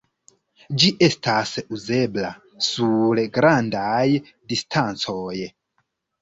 Ĝi estas uzebla sur grandaj distancoj.